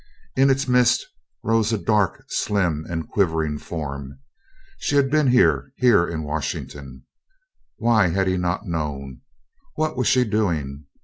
In its midst rose a dark, slim, and quivering form. She had been here here in Washington! Why had he not known? What was she doing?